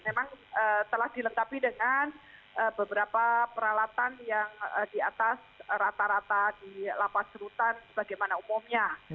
memang telah dilengkapi dengan beberapa peralatan yang di atas rata rata di lapas rutan sebagaimana umumnya